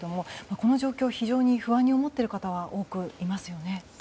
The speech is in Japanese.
この状況、非常に不安に思っている方多くいますよね。